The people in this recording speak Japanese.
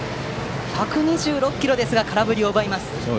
１２６キロですが空振りを奪えます。